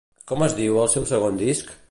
Com es diu el seu segon disc?